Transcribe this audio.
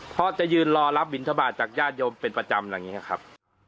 เพราะจะยืนรอรับบิณฑบาตรจากญาติโยมเป็นประจำนะครับ